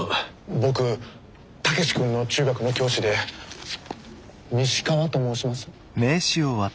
僕武志君の中学の教師で西川と申します。